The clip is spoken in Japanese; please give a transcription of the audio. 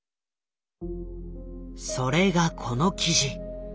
それがこの記事。